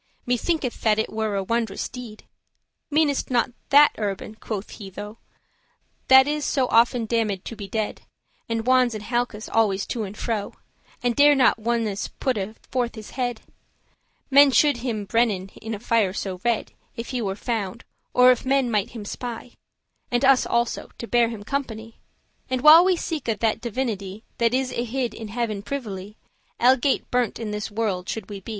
Me thinketh that it were a wondrous deed. "Meanest thou not that Urban," quoth he tho,* *then "That is so often damned to be dead, And wons* in halkes always to and fro, *dwells corners And dare not ones putte forth his head? Men should him brennen* in a fire so red, *burn If he were found, or if men might him spy: And us also, to bear him company. "And while we seeke that Divinity That is y hid in heaven privily, Algate* burnt in this world should we be."